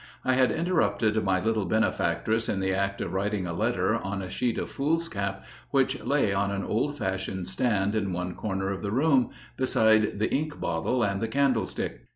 I had interrupted my little benefactress in the act of writing a letter, on a sheet of foolscap which lay on an old fashioned stand in one corner of the room, beside the ink bottle and the candlestick.